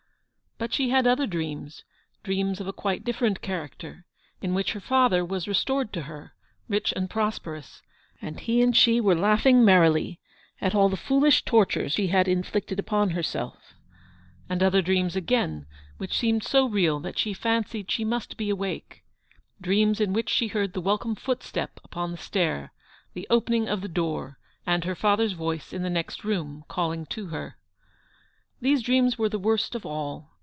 But she had other dreams, dreams of quite a different character, in which her father was re stored to her, rich and prosperous, and he and she were laughing merrily at all the foolish tortures she had inflicted upon herself; and other dreams again, which seemed so real that she fancied she must be awake ; dreams in which she heard the welcome footsteps upon the stair, the opening of the door, and her fathers voice in the next room calling to her. These dreams were the worst of all.